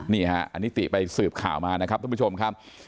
นี่ฮะอันนี้ติไปสืบข่าวมานะครับท่านผู้ชมครับ